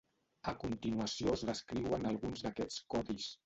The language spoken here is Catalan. A continuació es descriuen alguns d'aquests codis.